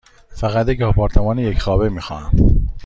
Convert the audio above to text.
فقط یک آپارتمان یک خوابه می خواهم.